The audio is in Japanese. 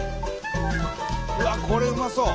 うわっこれうまそう！